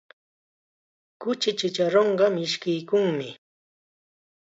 Kuchi chacharunqa mishkiykunmi.